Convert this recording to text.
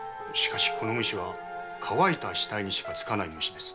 この虫は乾いた死体にしかつかない虫です。